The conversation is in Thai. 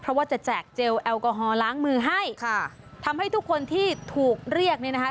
เพราะว่าจะแจกเจลแอลกอฮอลล้างมือให้ค่ะทำให้ทุกคนที่ถูกเรียกเนี่ยนะคะ